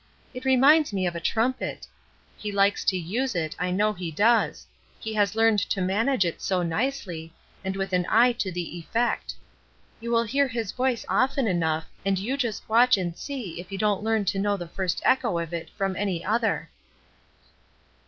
It reminds me of a trumpet. He likes to use it, I know he does; he has learned to manage it so nicely, and with an eye to the effect. You will hear his voice often enough, and you just watch and see if you don't learn to know the first echo of it from any other."